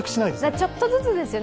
ちょっとずつですよね。